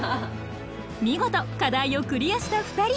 見事課題をクリアした２人。